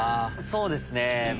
そうですね。